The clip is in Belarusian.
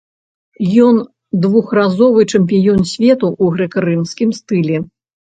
Ён двухразовы чэмпіён свету ў грэка-рымскім стылі.